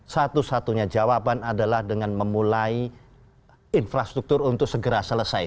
satu satunya jawaban adalah dengan memulai infrastruktur untuk segera selesai